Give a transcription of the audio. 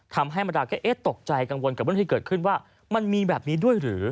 ธรรมดาก็เอ๊ะตกใจกังวลกับเรื่องที่เกิดขึ้นว่ามันมีแบบนี้ด้วยหรือ